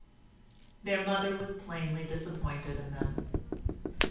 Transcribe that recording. Their mother was plainly disappointed in them.